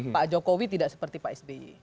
pak jokowi tidak seperti pak sby